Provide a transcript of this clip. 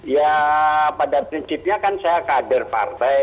ya pada prinsipnya kan saya kader partai